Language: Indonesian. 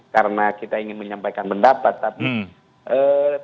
karena kita ingin menyampaikan pendapat tapi